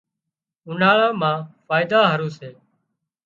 اُوناۯا مان فائيدا هارو سي